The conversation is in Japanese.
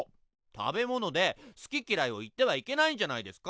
食べ物で好き嫌いを言ってはいけないんじゃないですか？